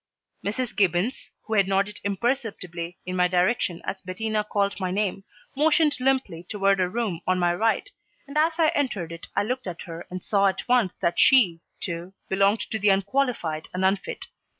Mrs. Gibbons, who had nodded imperceptibly in my direction as Bettina called my name, motioned limply toward a room on my right, and as I entered it I looked at her and saw at once that she, too, belonged to the unqualified and unfit.